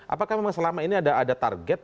apakah memang selama ini ada target